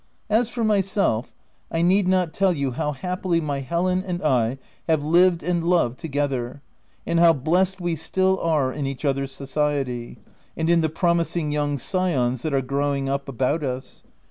As for myself, I need not tell you how happily my Helen and I have lived and loved together, and how blessed we still are in each other's society, and in the promising young scions that are growing up about us.